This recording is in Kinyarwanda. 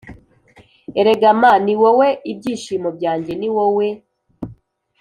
Erega ma niwowe ibyishimo byanjye niwowe